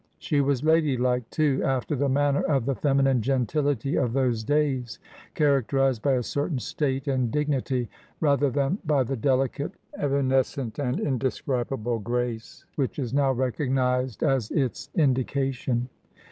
She was ladylike, too, after the manner of the feminine gentility of those days ; characterized by a certain state and dignity, rather than by the delicate, evanescent, and indescribable grace which is now recognized as its indication."